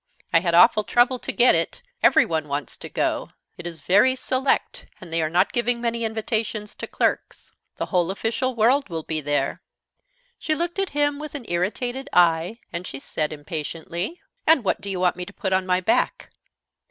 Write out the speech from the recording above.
I had awful trouble to get it. Everyone wants to go; it is very select, and they are not giving many invitations to clerks. The whole official world will be there." She looked at him with an irritated eye, and she said, impatiently: "And what do you want me to put on my back?"